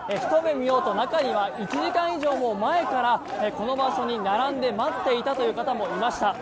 見ようと中には１時間以上も前からこの場所に並んで待っていたという方もいました。